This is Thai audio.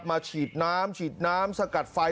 ฉีดน้ำฉีดน้ำสกัดไฟ